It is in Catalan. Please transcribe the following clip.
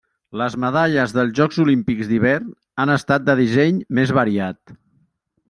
Les medalles dels Jocs Olímpics d'hivern han estat de disseny més variat.